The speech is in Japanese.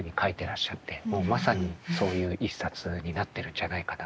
もうまさにそういう一冊になってるんじゃないかなと。